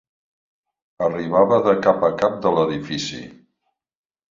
Arribava de cap a cap del edifici.